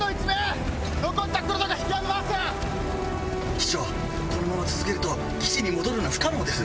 機長このまま続けると基地に戻るのは不可能です。